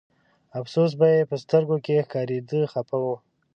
افسوس به یې په سترګو کې ښکارېده خپه و.